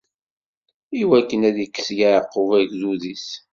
Iwakken ad ikes Yeɛqub, agdud-is.